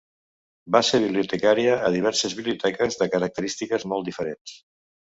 Va ser bibliotecària a diverses biblioteques de característiques molt diferents.